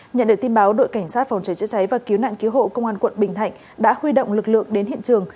nhận được tin báo đội cảnh sát phòng cháy chữa cháy và cứu nạn cứu hộ công an quận bình thạnh đã huy động lực lượng đến hiện trường